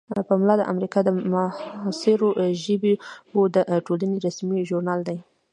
پملا د امریکا د معاصرو ژبو د ټولنې رسمي ژورنال دی.